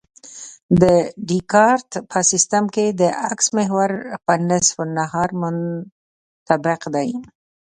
د دیکارت په سیستم کې د اکس محور په نصف النهار منطبق دی